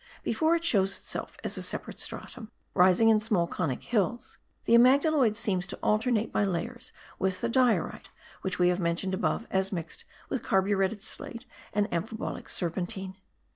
Before it shows itself as a separate stratum, rising in small conic hills, the amygdaloid seems to alternate by layers with the diorite, which we have mentioned above as mixed with carburetted slate and amphibolic serpentine.